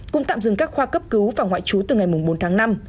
cũng tạm dừng các khoa cấp cứu và ngoại trú từ ngày bốn tháng năm